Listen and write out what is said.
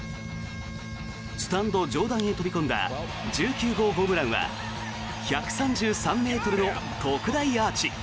スタンド上段へ飛び込んだ１９号ホームランは１３３ｍの特大アーチ。